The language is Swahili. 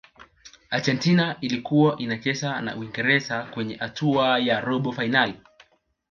argentina ilikuwa inacheza na uingereza kwenye hatua ya robo fainali